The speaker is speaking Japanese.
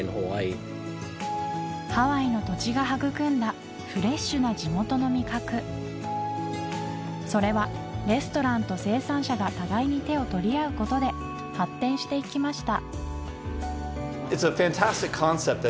ハワイの土地が育んだフレッシュな地元の味覚それはレストランと生産者が互いに手を取り合うことで発展していきました